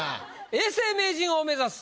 永世名人を目指す